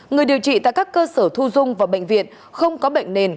người điều trị tại các cơ sở thu dung và bệnh viện không có bệnh nền